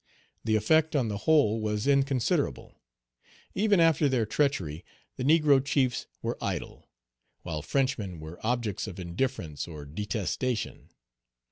The effect on the whole was inconsiderable. Even after their treachery, the negro chiefs were idols, while Frenchmen were objects of indifference or detestation.